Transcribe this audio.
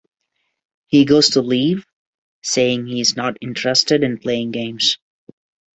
He goes to leave, saying he is not interested in playing games.